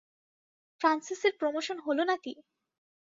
ফ্রান্সিসের promotion হলো নাকি?